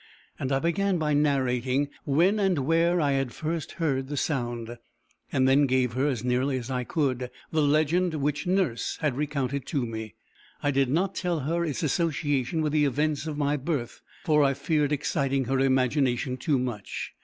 And I began by narrating when and where I had first heard the sound; and then gave her, as nearly as I could, the legend which nurse had recounted to me. I did not tell her its association with the events of my birth, for I feared exciting her imagination too much.